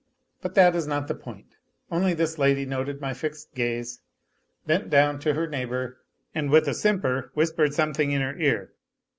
But that is not the point, only this lady, noting my fixed gaze, bent down Q 226 A LITTLE HERO to her neighbour and with a simper whispered something in her ear.